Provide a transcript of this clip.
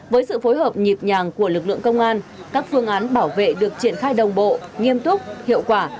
với sự phối hợp nhịp nhàng của lực lượng công an các phương án bảo vệ được triển khai đồng bộ nghiêm túc hiệu quả